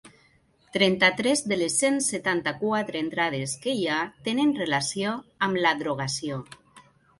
Trenta-tres de les cent setanta-quatre entrades que hi ha tenen relació amb la drogació.